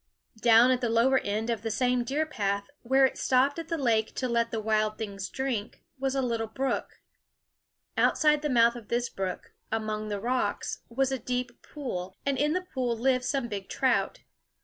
Down at the lower end of the same deer path, where it stopped at the lake to let the wild things drink, was a little brook. Outside the mouth of this brook, among the rocks, was a deep pool; and in the pool lived some big trout.